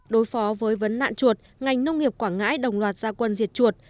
đối phó với vấn nạn chuột ngành nông nghiệp quảng ngãi đồng loạt gia quân diệt chuột